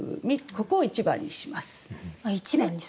ここを１番にします。